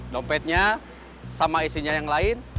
dompetnya sama isinya yang lain